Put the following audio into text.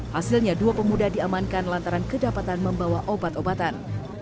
hasilnya dua pemuda diamankan lantaran kedapatan membawa obat obatan